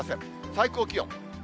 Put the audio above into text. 最高気温。